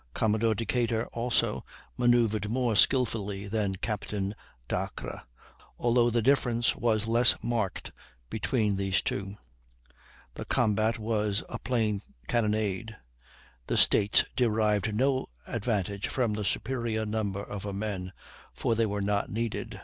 Commodore Decatur, also, manoeuvred more skilfully than Captain Dacres, although the difference was less marked between these two. The combat was a plain cannonade; the States derived no advantage from the superior number of her men, for they were not needed.